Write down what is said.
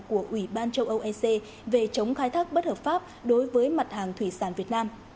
của ủy ban châu âu ec về chống khai thác bất hợp pháp đối với mặt hàng thủy sản việt nam